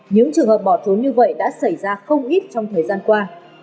những trường hợp bỏ thốn như vậy đã xảy ra không ít trong thời gian qua